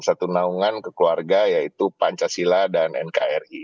satu naungan kekeluarga yaitu pancasila dan nkri